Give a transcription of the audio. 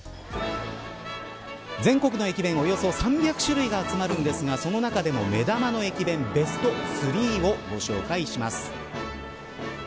全国の駅弁、およそ３００種類が集まるんですがその中でも目玉の駅弁ベスト３をご紹介します。